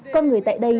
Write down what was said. con người tại đây